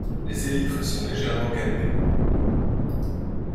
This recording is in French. Les élytres sont légèrement cannelés.